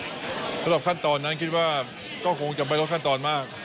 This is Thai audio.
ขั้นตอนนั้นคิดว่าก็คงจะไม่ลดขั้นตอนมาก